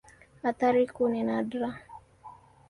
Athari kuu ni nadra.